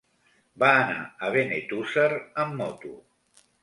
Va anar a Benetússer amb moto.